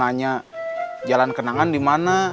dia nanya jalan kenangan dimana